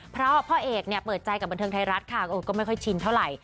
เพราะพ่อเอกเนี่ยเปิดใจกับบันเทิงไทยรัฐค่ะก็ไม่ค่อยชินเท่าไหร่